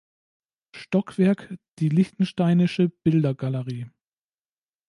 Stockwerk die Liechtensteinische Bildergalerie.